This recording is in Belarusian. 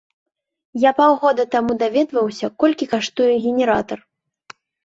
Я паўгода таму даведваўся, колькі каштуе генератар.